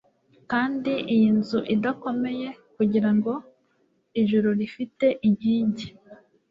kandi iyi nzu idakomeye kugirango ijuru rifite inkingi